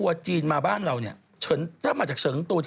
รวมค่าเครื่องบินหมื่นกว่าวันรวมเครื่องบินรวมกิน